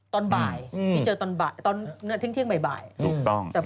ตอนบ่ายต้องเจอเที่ยงบ่าย